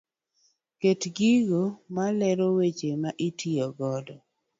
Ket gigo malero weche ma itiyo godo.